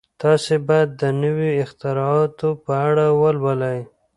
تاسي باید د نویو اختراعاتو په اړه ولولئ.